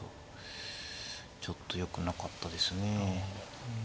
ちょっとよくなかったですね。